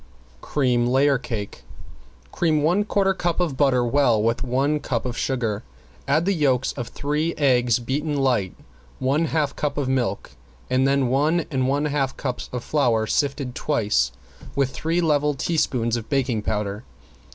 ~CREAM LAYER CAKE~ Cream one quarter cup of butter well with one cup of sugar, add the yolks of three eggs beaten light, one half cup of milk, then one and one half cups of flour sifted twice with three level teaspoons of baking powder.